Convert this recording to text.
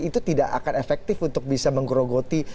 itu tidak akan efektif untuk bisa menggerogoti